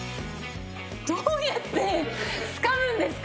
どうやってつかむんですか？